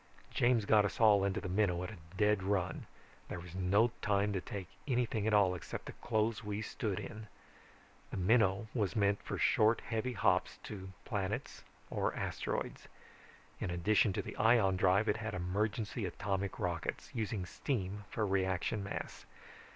"James got us all into the Minnow at a dead run. There was no time to take anything at all except the clothes we stood in. The Minnow was meant for short heavy hops to planets or asteroids. In addition to the ion drive it had emergency atomic rockets, using steam for reaction mass.